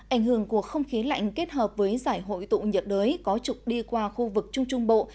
ảnh hưởng của không khí lạnh kết hợp với giải hội tụ nhiệt đới có trục đi qua khu vực trung trung bộ